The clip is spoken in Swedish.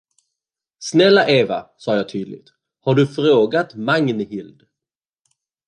Snälla Eva, sade jag tydligt, har du frågat Magnhild?